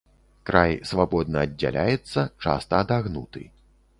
Край свабодна аддзяляецца, часта адагнуты.